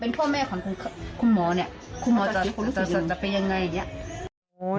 เป็นพ่อแม่ของคุณหมอคุณหมอจะสนใจจะเป็นอย่างไร